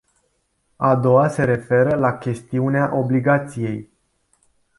A doua se referă la chestiunea obligației.